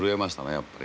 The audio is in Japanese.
やっぱり。